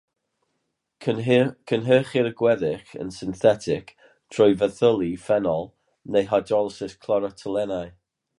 Cynhyrchir y gweddill yn synthetig, trwy fethylu ffenol neu hydrolysis clorotoluenau.